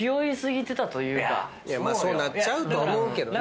そうなっちゃうと思うけどね。